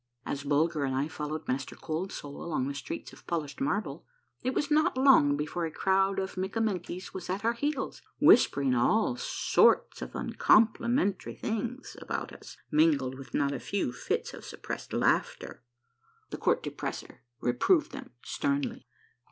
As Bulger and I followed Master Cold Soul along the streets of polished marble, it was not long before a crowd of Mikka menkies was at our heels, whispering all sorts of uncompli 54 A MARVELLOUS UNDERGROUND JOURNEY mentary things about us, mingled with not a few fits of suppressed laughter. The Court Depressor reproved them sternly.